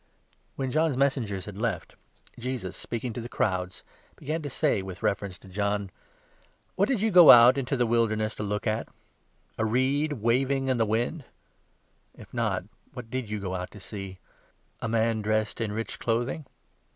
When John's messengers had left, Jesus, 24 Testimony of speaking to the crowds, began to say with jesus to reference to John : the Baptist. "What did you go out into the Wilderness to 25 look at ? A reed waving in the wind ? If not, what did you go out to see ? A man dressed in rich clothing